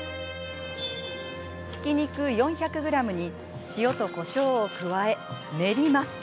ひき肉４００ｇに塩とこしょうを加え練ります。